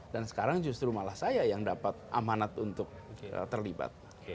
dan sekarang justru malah saya yang dapat amanat untuk terlibat